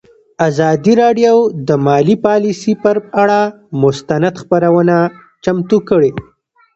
ازادي راډیو د مالي پالیسي پر اړه مستند خپرونه چمتو کړې.